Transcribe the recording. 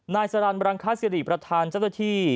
นายสรานบรางคาเสียดีประธานเจ้าตัวที่